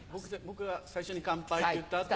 僕が最初に「乾杯」って言った後。